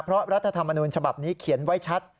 เพราะรัฐธรรมนูญฉบับนี้เขียนไว้ชัด